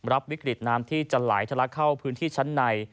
รับวิกฤตน้ำที่จะไหลทะลักเข้าพื้นที่ชั้นใน